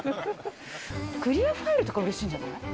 クリアファイルとか嬉しいんじゃない？